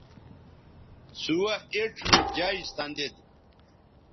سوہ اِڇھ نو جج سندید